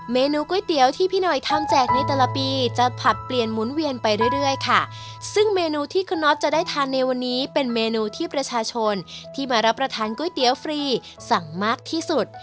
เมนูก๋วยเตี๋ยวที่พี่หน่อยทำแจกในแต่ละปีจะผลัดเปลี่ยนหมุนเวียนไปเรื่อยเรื่อยค่ะซึ่งเมนูที่คุณน็อตจะได้ทานในวันนี้เป็นเมนูที่ประชาชนที่มารับประทานก๋วยเตี๋ยวฟรีสั่งมากที่สุด